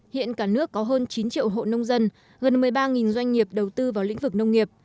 hiện cả nước có hơn chín triệu hộ nông dân gần một mươi ba doanh nghiệp đầu tư vào lĩnh vực nông nghiệp